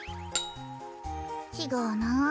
ちがうなあ。